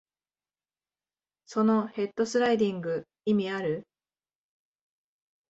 そのヘッドスライディング、意味ある？